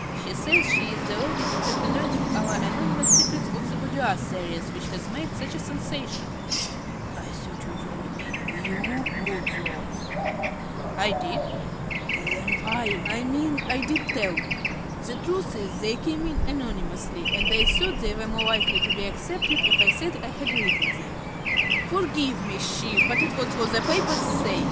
She says she's the lady who has been writing our anonymous "Secrets of the Boudoir" series which has made such a sensation. ~Smith~ (in amazement). I thought you told me you wrote those. ~Jones~ (simply). I did. ~Smith.~ Then why ~Jones.~ I mean I did tell you. The truth is they came in anonymously, and I thought they were more likely to be accepted if I said I had written them. (With great emotion.) Forgive me, chief, but it was for the paper's sake.